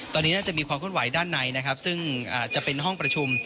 ตอนนี้น่าจะมีความขึ้นไหวด้านในนะครับซึ่งอาจจะเป็นห้องประชุม